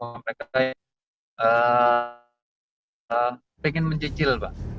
untuk mereka yang ingin mencicil